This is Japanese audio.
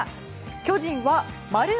巨人は○○〇